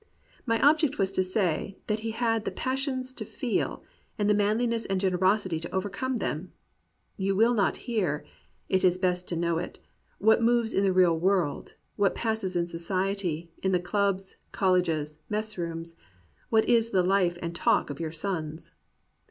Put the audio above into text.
My object was to say, that he had the pas sions to feel, and the manliness and generosity to overcome them. You will not hear — it is best to know it — ^what moves in the real worid, what passes in society, in the clubs, colleges, mess rooms — what is the life and talk of your sons.